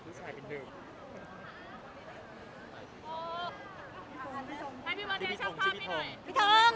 ผู้ชายเป็นหนึ่ง